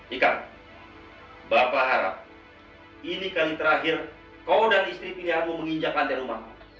ika bapak harap ini kali terakhir kau dan istri pilihanku menginjak lantai rumah